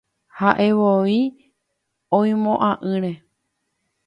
Ha'evoi oimo'ã'ỹre.